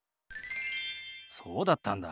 そうだったんだ。